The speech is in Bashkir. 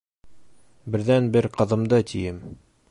Берҙән-бер ҡыҙымды, тием.